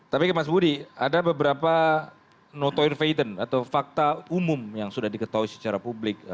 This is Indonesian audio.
tapi ke mas budi ada beberapa noto invaden atau fakta umum yang sudah diketahui secara publik